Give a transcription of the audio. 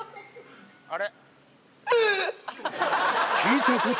あれ？